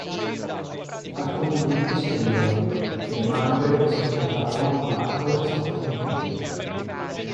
Altri gruppi seguirono; le mandre si vuotarono, ma Marco restò immobile.